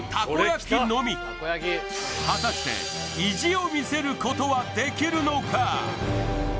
果たして意地を見せることはできるのか？